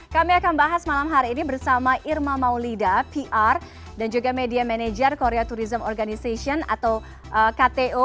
kami akan bahas malam hari ini bersama irma maulida pr dan juga media manager korea tourism organization atau kto